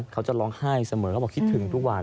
เขาจะร้องไห้เสมอเขาบอกคิดถึงทุกวัน